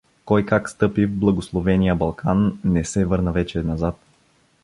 Кой как стъпи в благословения Балкан, не се върна вече назад.